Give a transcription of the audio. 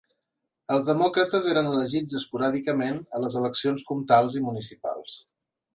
Els demòcrates eren elegits esporàdicament a les eleccions comtals i municipals.